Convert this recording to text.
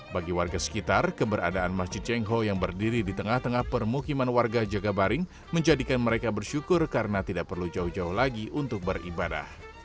bagi warga sekitar keberadaan masjid cengho yang berdiri di tengah tengah permukiman warga jagabaring menjadikan mereka bersyukur karena tidak perlu jauh jauh lagi untuk beribadah